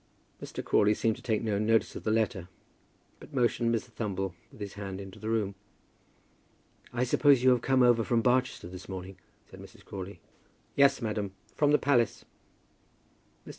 Mr. Crawley seemed to take no notice of the letter, but motioned Mr. Thumble with his hand into the room. "I suppose you have come over from Barchester this morning?" said Mrs. Crawley. "Yes, madam, from the palace." Mr.